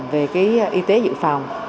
về cái y tế dự phòng